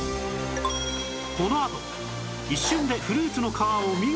このあと一瞬でフルーツの皮を見事にむく！